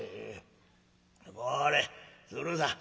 これ鶴さん